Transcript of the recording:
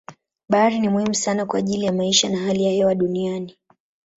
Bahari ni muhimu sana kwa ajili ya maisha na hali ya hewa duniani.